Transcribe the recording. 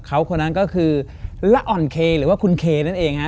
เขาคนนั้นก็คือละอ่อนเคหรือว่าคุณเคนั่นเองฮะ